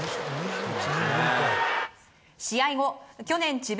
試合後、去年智弁